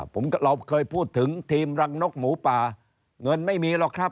ผมเราเคยพูดถึงทีมรังนกหมูป่าเงินไม่มีหรอกครับ